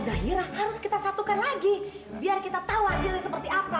hasilnya sini tidak membuktikan apa apa